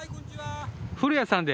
古谷さんで。